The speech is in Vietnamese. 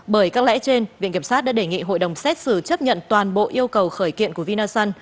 bởi các lẽ trên viện kiểm sát đã đề nghị hội đồng xét xử chấp nhận toàn bộ yêu cầu khởi kiện của vinasun